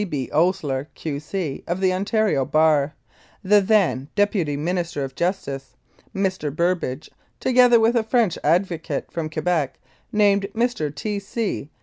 B. Osier, Q.C., of the Ontario Bar; the then Deputy Minister of Justice, Mr. Burbridge, together with a French advocate from Quebec named Mr. T. C.